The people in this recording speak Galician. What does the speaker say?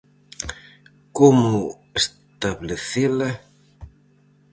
Como establecela?